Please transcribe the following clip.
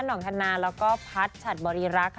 องธนาแล้วก็พัดฉัดบริรักษ์ค่ะ